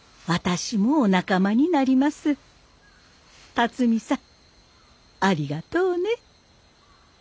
龍己さんありがとうね。